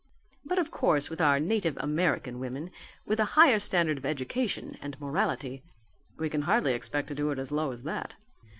But of course with our native American women, with a higher standard of education and morality, we can hardly expect to do it as low as that."